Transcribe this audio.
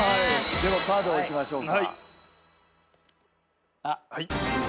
ではカードをいきましょうか。